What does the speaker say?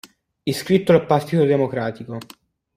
Iscritto al Partito Democratico.